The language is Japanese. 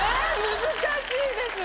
難しいですよ。